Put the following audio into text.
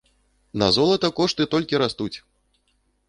На золата кошты толькі растуць!